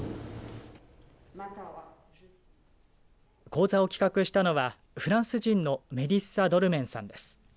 講座を企画したのはフランス人のメリッサ・ドルメンさんです。